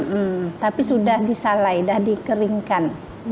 hmm tapi sudah disalai sudah dikeringkan